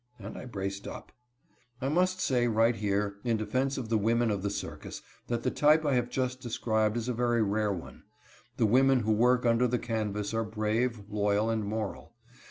And I braced up. I must say right here, in defense of the women of the circus, that the type I have just described is a very rare one. The women who work under the canvas are brave, loyal, and moral.